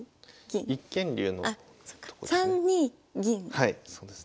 はいそうです。